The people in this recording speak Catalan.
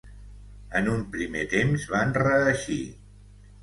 En un primer temps van reeixir.